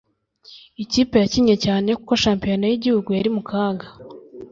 ikipe yakinnye cyane kuko shampiyona yigihugu yari mu kaga